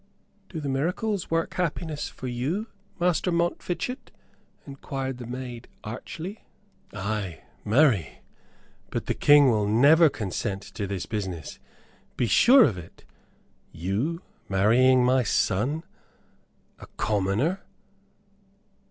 "Do the miracles work happiness for you, Master Montfichet?" enquired the maid, archly. "Ay, marry. But the King will never consent to this business, be sure of it. You marrying my son a commoner!"